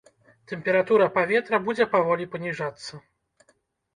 Тэмпература паветра будзе паволі паніжацца.